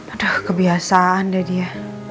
aduh kebiasaan deh dia